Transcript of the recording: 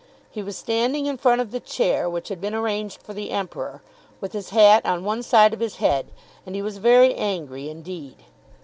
He was standing in front of the chair which had been arranged for the Emperor, with his hat on one side of his head, and he was very angry indeed.